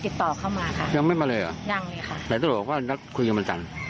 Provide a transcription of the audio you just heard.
ติดต่อมาแต่ตั้งแต่ตำรวจว่านักคุยกับมันจันทร์